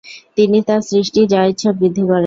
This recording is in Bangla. তিনি তার সৃষ্টি যা ইচ্ছা বৃদ্ধি করেন।